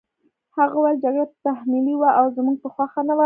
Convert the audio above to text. هغه وویل جګړه تحمیلي وه او زموږ په خوښه نه وه